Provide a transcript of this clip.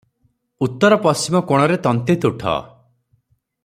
ଉତ୍ତର ପଶ୍ଚିମ କୋଣରେ ତନ୍ତୀତୁଠ ।